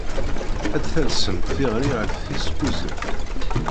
Ad d-talsemt tiɣri ɣef tis kuẓet.